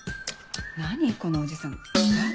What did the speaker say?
何このおじさん誰？